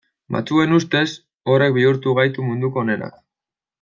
Batzuen ustez horrek bihurtu gaitu munduko onenak.